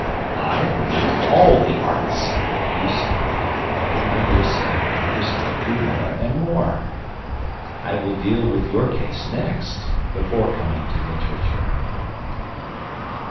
"I hate all the arts!" you say. My dear sir, I respect you more and more. I will deal with your case next, before coming to literature.